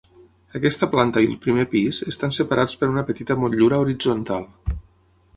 Aquesta planta i el primer pis estan separats per una petita motllura horitzontal.